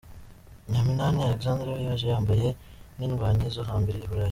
Nyaminani Alexandre we yaje yambaye nk'indwanyi zo hambere i Burayi.